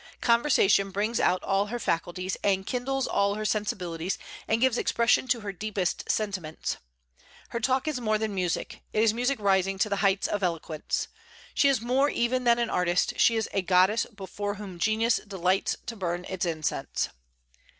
Conversation brings out all her faculties, and kindles all her sensibilities, and gives expression to her deepest sentiments. Her talk is more than music; it is music rising to the heights of eloquence. She is more even than an artist: she is a goddess before whom genius delights to burn its incense.